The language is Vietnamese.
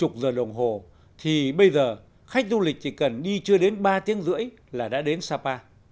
chục giờ đồng hồ thì bây giờ khách du lịch chỉ cần đi chưa đến ba tiếng rưỡi là đã đến sapa